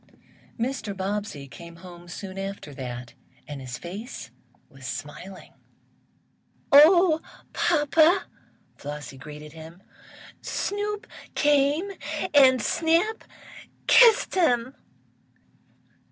Mr. Bobbsey came home soon after that his face was smiling. "Oh, papa!" Flossie greeted him, "Snoop came, and Snap kissed him!"